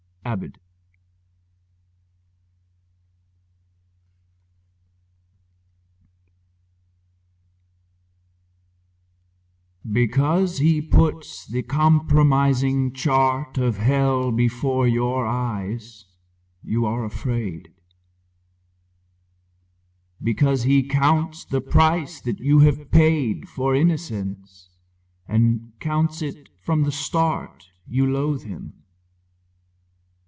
7 Autoplay Because he puts the compromising chart Of hell before your eyes, you are afraid; Because he counts the price that you have paid For innocence, and counts it from the start, You loathe him.